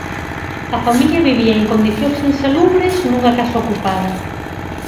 A familia vivía en condicións insalubres nunha casa ocupada.